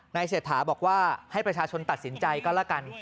เศรษฐาบอกว่าให้ประชาชนตัดสินใจก็แล้วกัน